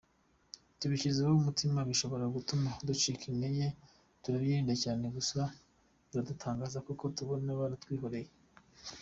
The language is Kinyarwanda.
Tubishyizeho umutima bishobora gutuma ducika intege turabyirinda cyane, gusa biradutangaza kuko tubona baratwihoreye.